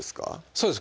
そうです